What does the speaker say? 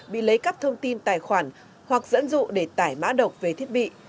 bị lấy cắp thông tin tài khoản hoặc dẫn dụ để tải mã độc về thiết bị